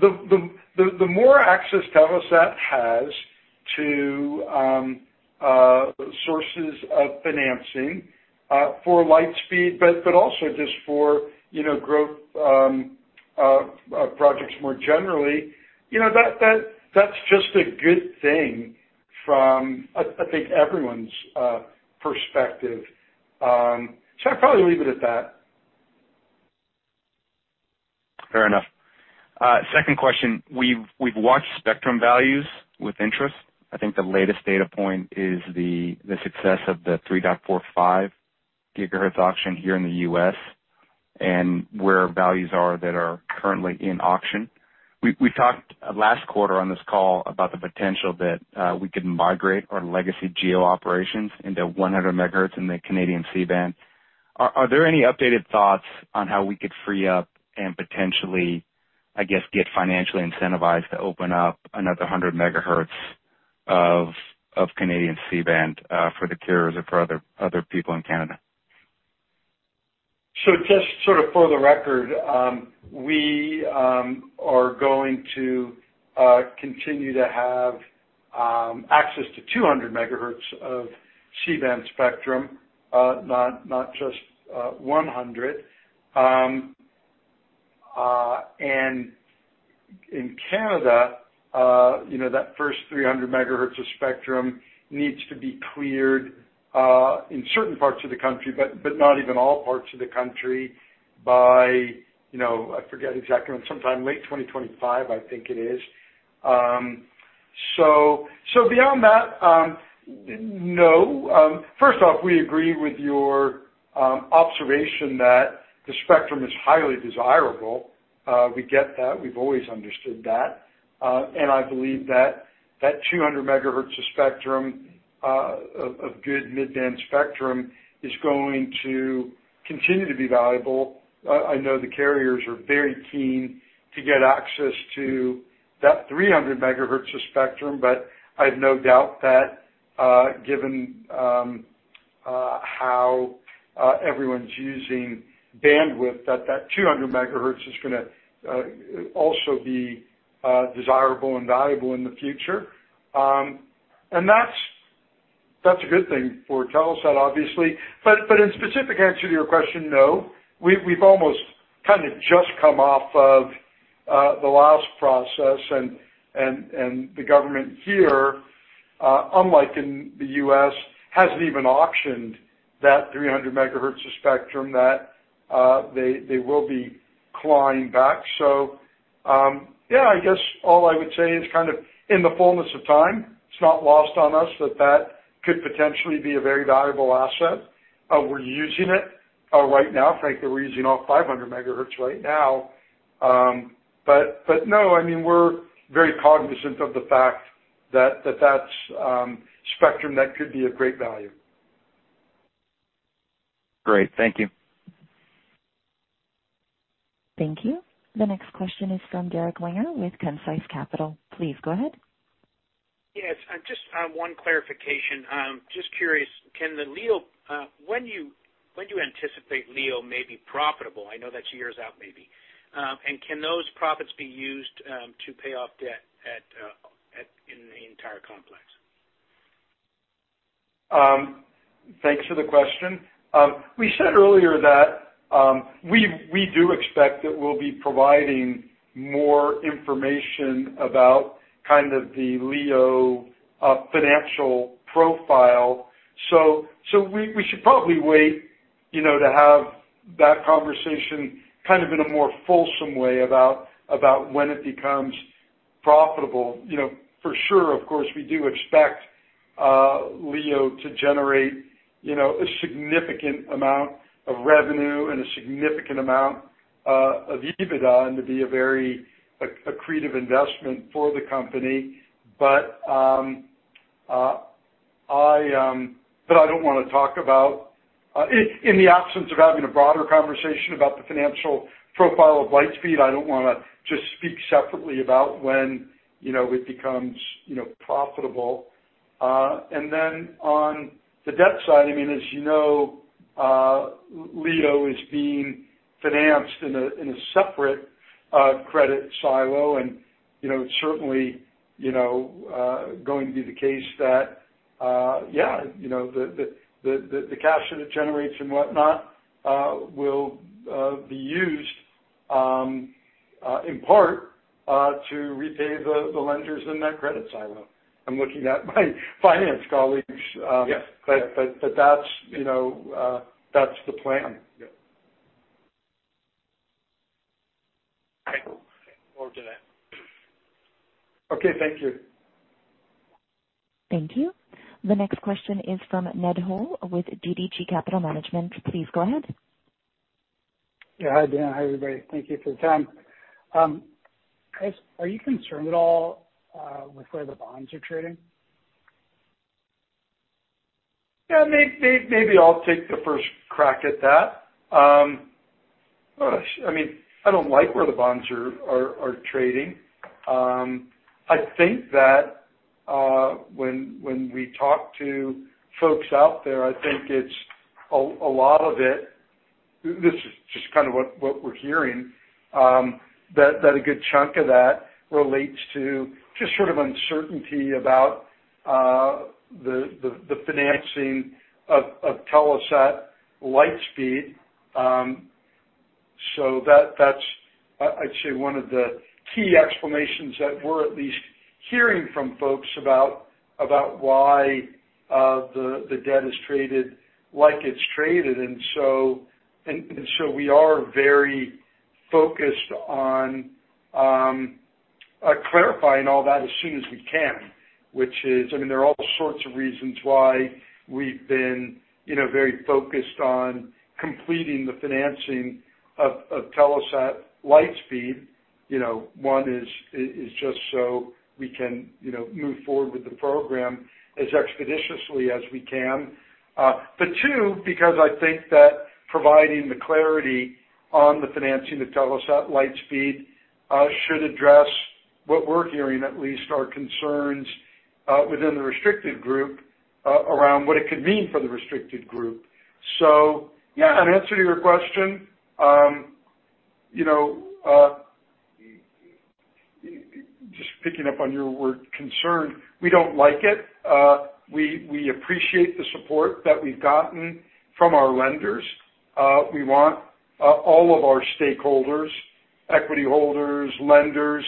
the more access Telesat has to sources of financing for Lightspeed, but also just for, you know, growth projects more generally, you know, that's just a good thing from, I think everyone's perspective. I'd probably leave it at that. Fair enough. Second question. We've watched spectrum values with interest. I think the latest data point is the success of the 3.45 GHz auction here in the U.S. and the values that are currently in auction. We talked last quarter on this call about the potential that we could migrate our legacy GEO operations into 100 MHz in the Canadian C-band. Are there any updated thoughts on how we could free up and potentially get financially incentivized to open up another 100 MHz of Canadian C-band for the carriers or for other people in Canada? Just sort of for the record, we are going to continue to have access to 200 megahertz of C-band spectrum, not just 100. In Canada, you know, that first 300 megahertz of spectrum needs to be cleared in certain parts of the country, but not even all parts of the country by, you know, I forget exactly, but sometime late 2025, I think it is. Beyond that, no. First off, we agree with your observation that the spectrum is highly desirable. We get that. We've always understood that. I believe that 200 megahertz of good mid-band spectrum is going to continue to be valuable. I know the carriers are very keen to get access to that 300 megahertz of spectrum, but I have no doubt that, given how everyone's using bandwidth, that 200 megahertz is gonna also be desirable and valuable in the future. That's a good thing for Telesat, obviously. In specific answer to your question, no. We've almost kind of just come off of the last process and the government here, unlike in the U.S., hasn't even auctioned that 300 megahertz of spectrum that they will be clawing back. Yeah, I guess all I would say is kind of in the fullness of time, it's not lost on us that that could potentially be a very valuable asset. We're using it right now. Frankly, we're using all 500 MHz right now. No, I mean, we're very cognizant of the fact that that's spectrum that could be of great value. Great. Thank you. Thank you. The next question is from Derrick Wenger with Concise Capital. Please go ahead. Yes, just one clarification. Just curious, can the LEO, when do you anticipate LEO may be profitable? I know that's years out, maybe. And can those profits be used to pay off debt at, in the entire complex? Thanks for the question. We said earlier that we do expect that we'll be providing more information about kind of the LEO financial profile. We should probably wait, you know, to have that conversation kind of in a more fulsome way about when it becomes profitable. You know, for sure, of course, we do expect LEO to generate, you know, a significant amount of revenue and a significant amount of EBITDA and to be a very accretive investment for the company. I don't wanna talk about, in the absence of having a broader conversation about the financial profile of Lightspeed, I don't wanna just speak separately about when, you know, it becomes, you know, profitable. On the debt side, I mean, as you know, LEO is being financed in a separate credit silo. You know, it's certainly, you know, going to be the case that, yeah, you know, the cash that it generates and whatnot will be used in part to repay the lenders in that credit silo. I'm looking at my finance colleagues. Yes. That's, you know, that's the plan. Yeah. All right. Will do that. Okay. Thank you. Thank you. The next question is from Ned Hole with DDJ Capital Management. Please go ahead. Yeah. Hi, Dan. Hi, everybody. Thank you for the time. Guys, are you concerned at all with where the bonds are trading? Yeah. Maybe I'll take the first crack at that. I mean, I don't like where the bonds are trading. I think that when we talk to folks out there, I think it's a lot of it, this is just kind of what we're hearing that a good chunk of that relates to just sort of uncertainty about the financing of Telesat Lightspeed. So that's, I'd say one of the key explanations that we're at least hearing from folks about why the debt is traded like it's traded. We are very focused on clarifying all that as soon as we can, which is, I mean, there are all sorts of reasons why we've been, you know, very focused on completing the financing of Telesat Lightspeed. You know, one is just so we can, you know, move forward with the program as expeditiously as we can. But two, because I think that providing the clarity on the financing of Telesat Lightspeed should address what we're hearing, at least our concerns, within the restricted group, around what it could mean for the restricted group. Yeah, in answer to your question, you know, just picking up on your word concern, we don't like it. We appreciate the support that we've gotten from our lenders. We want all of our stakeholders, equity holders, lenders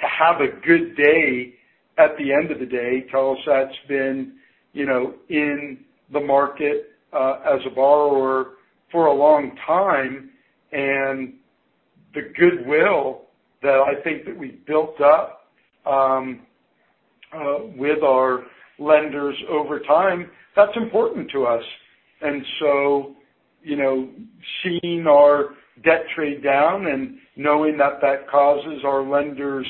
to have a good day. At the end of the day, Telesat's been, you know, in the market as a borrower for a long time, and the goodwill that I think that we built up with our lenders over time, that's important to us. So, you know, seeing our debt trade down and knowing that that causes our lenders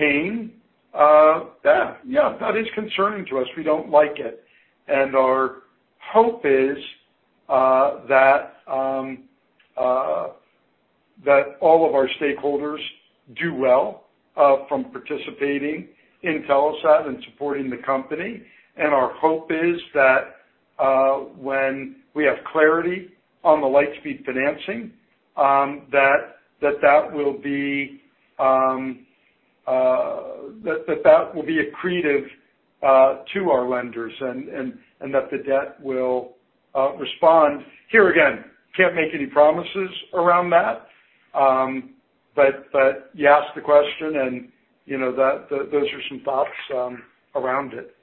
pain, yeah, that is concerning to us. We don't like it. Our hope is that all of our stakeholders do well from participating in Telesat and supporting the company. Our hope is that when we have clarity on the Lightspeed financing, that will be accretive to our lenders and that the debt will respond. Here again, can't make any promises around that, but you asked the question and you know those are some thoughts around it.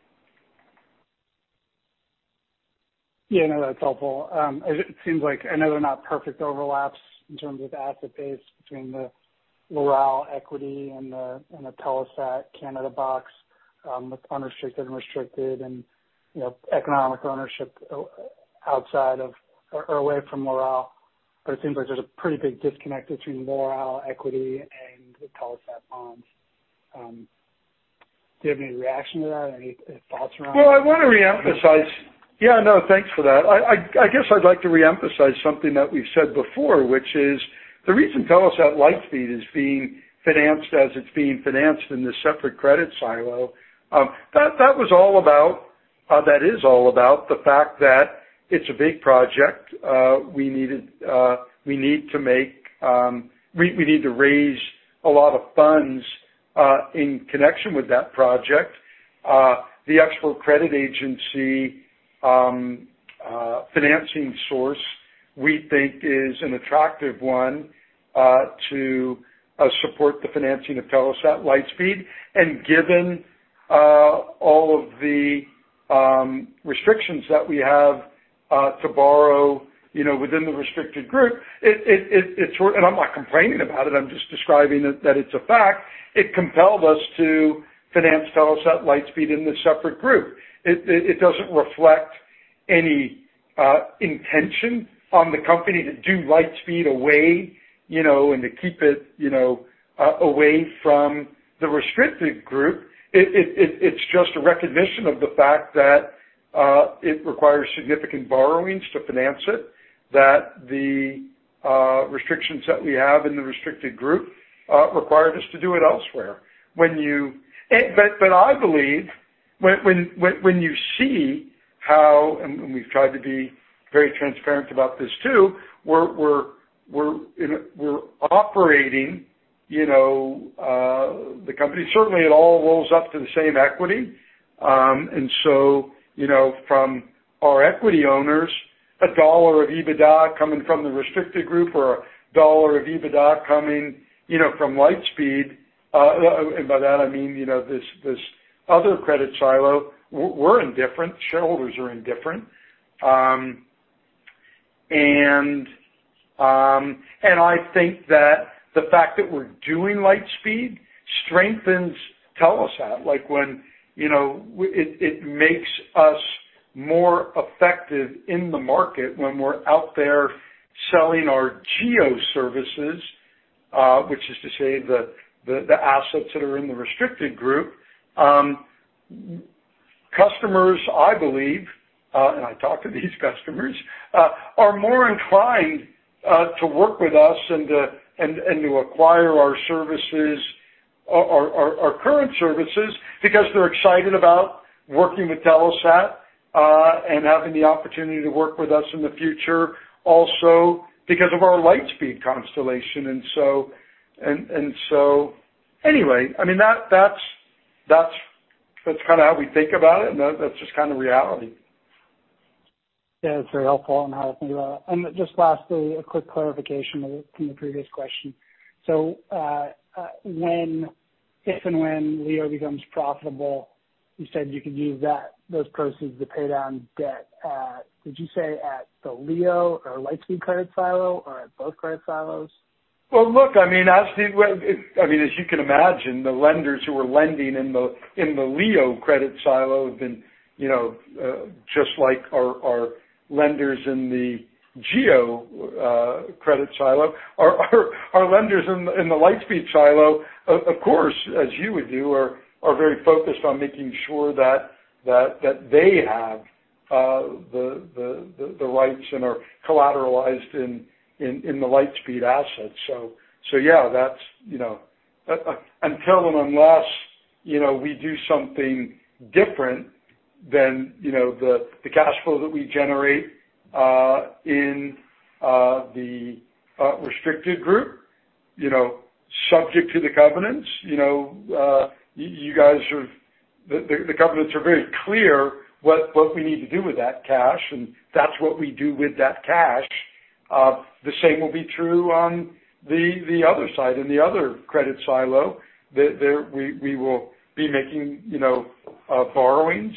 Yeah, no, that's helpful. It seems like, I know they're not perfect overlaps in terms of asset base between the Loral equity and the Telesat Canada box, with unrestricted and restricted and, you know, economic ownership outside of or away from Loral, but it seems like there's a pretty big disconnect between Loral equity and the Telesat bonds. Do you have any reaction to that? Any thoughts around it? Well, I wanna reemphasize. Yeah, no, thanks for that. I guess I'd like to reemphasize something that we've said before, which is the reason Telesat Lightspeed is being financed as it's being financed in this separate credit silo, that is all about the fact that it's a big project. We need to raise a lot of funds in connection with that project. The export credit agency financing source we think is an attractive one to support the financing of Telesat Lightspeed. Given all of the restrictions that we have to borrow, you know, within the restricted group, it short. I'm not complaining about it, I'm just describing it, that it's a fact, it compelled us to finance Telesat Lightspeed in this separate group. It doesn't reflect any intention on the company to do Lightspeed away, you know, and to keep it, you know, away from the restricted group. It's just a recognition of the fact that it requires significant borrowings to finance it. That the restrictions that we have in the restricted group required us to do it elsewhere. I believe when you see how, and we've tried to be very transparent about this too, we're operating, you know, the company. Certainly it all rolls up to the same equity. You know, from our equity owners, a dollar of EBITDA coming from the restricted group or a dollar of EBITDA coming, you know, from Lightspeed, and by that, I mean, you know, this other credit silo, we're indifferent. Shareholders are indifferent. I think that the fact that we're doing Lightspeed strengthens Telesat, like when, you know, it makes us more effective in the market when we're out there selling our GEO services, which is to say the, the assets that are in the restricted group. Customers, I believe, and I talk to these customers, are more inclined to work with us and to acquire our services, our current services because they're excited about working with Telesat and having the opportunity to work with us in the future also because of our Lightspeed constellation. Anyway, I mean, that's kinda how we think about it and that's just kinda reality. Yeah, that's very helpful on how to think about it. Just lastly, a quick clarification from the previous question. If and when Leo becomes profitable, you said you could use that, those proceeds to pay down debt at... Did you say at the Leo or Lightspeed credit silo or at both credit silos? Well, look, I mean, as you can imagine, the lenders who are lending in the LEO credit silo have been, you know, just like our lenders in the GEO credit silo, our lenders in the Lightspeed silo, of course, as you would do, are very focused on making sure that they have the rights and are collateralized in the Lightspeed assets. So yeah, that's, you know. Until and unless, you know, we do something different than the cash flow that we generate in the restricted group, you know, subject to the covenants. You know, you guys are. The covenants are very clear what we need to do with that cash, and that's what we do with that cash. The same will be true on the other side in the other credit silo. There we will be making, you know, borrowings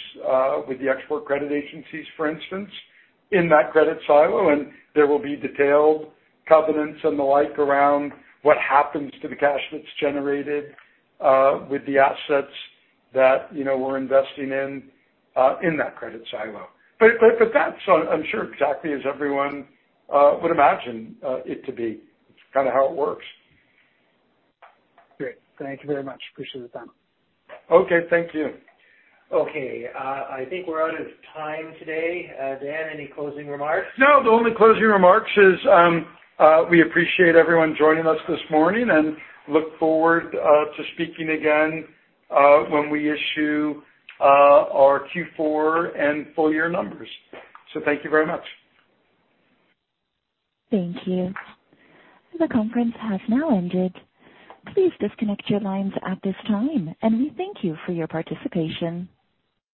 with the export credit agencies, for instance, in that credit silo. There will be detailed covenants and the like around what happens to the cash that's generated with the assets that, you know, we're investing in in that credit silo. But that's, I'm sure, exactly as everyone would imagine it to be. It's kinda how it works. Great. Thank you very much. I appreciate the time. Okay, thank you. Okay. I think we're out of time today. Dan, any closing remarks? No, the only closing remarks is, we appreciate everyone joining us this morning and look forward to speaking again when we issue our Q4 and full year numbers. Thank you very much. Thank you. The conference has now ended. Please disconnect your lines at this time, and we thank you for your participation.